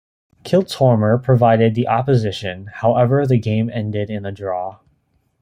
Kiltormer provided the opposition, however, the game ended in a draw.